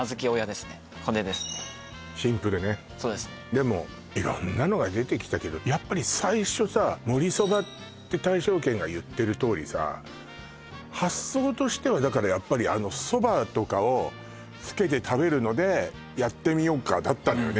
でも色んなのが出てきたけどやっぱり最初さもりそばって大勝軒が言ってるとおりさ発想としてはだからやっぱり蕎麦とかをつけて食べるのでやってみようかだったのよね